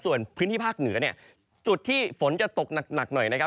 ส่วนพื้นที่ภาคเหนือเนี่ยจุดที่ฝนจะตกหนักหน่อยนะครับ